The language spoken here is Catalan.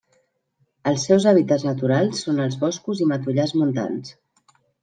Els seus hàbitats naturals són els boscos i matollars montans.